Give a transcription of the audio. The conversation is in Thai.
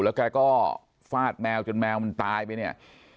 แล้วแกก็ฟาดแมวจนแมวมันตายไปเนี่ย